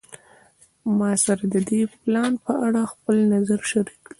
ما سره د دې پلان په اړه خپل نظر شریک کړی